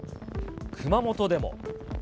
熊本でも。